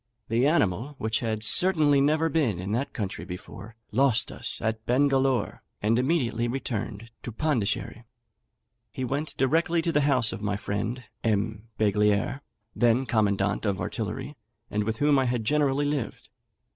The animal, which had certainly never been in that country before, lost us at Bengalore, and immediately returned to Pondicherry. He went directly to the house of my friend, M. Beglier, then commandant of artillery, and with whom I had generally lived.